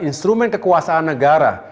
instrumen kekuasaan negara